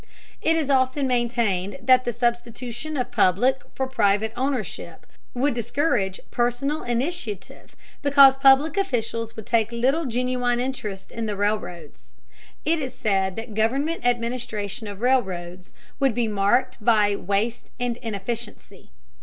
It is often maintained that the substitution of public for private ownership would discourage personal initiative because public officials would take little genuine interest in the railroads. It is said that government administration of railroads would be marked by waste and inefficiency.